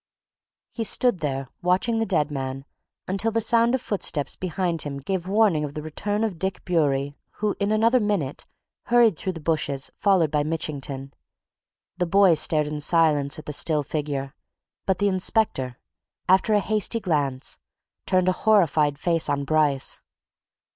He stood there, watching the dead man until the sound of footsteps behind him gave warning of the return of Dick Bewery, who, in another minute, hurried through the bushes, followed by Mitchington. The boy stared in silence at the still figure, but the inspector, after a hasty glance, turned a horrified face on Bryce.